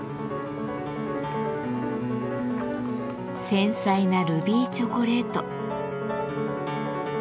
繊細なルビーチョコレート。